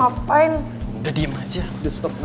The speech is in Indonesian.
gak pernah meningin perasaan gue sekali aja